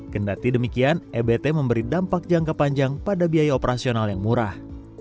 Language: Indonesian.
kendati demikian ebt memberi dampak jangka panjang pada biaya operasional yang murah